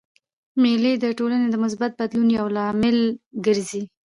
مېلې د ټولني د مثبت بدلون یو لامل ګرځي.